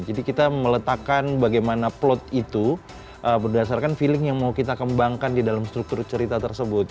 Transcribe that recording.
jadi kita meletakkan bagaimana plot itu berdasarkan feeling yang mau kita kembangkan di dalam struktur cerita tersebut